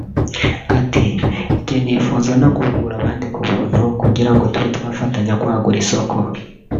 Ati “Jye nifuza no guhugura abandi ku buntu kugira ngo tube twafatanya kwagura isoko